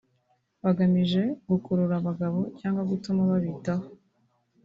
bagamije gukurura abagabo cyangwa gutuma babitaho